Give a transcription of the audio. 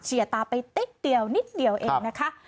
ตาไปติ๊บเดียวนิดเดียวเองนะคะ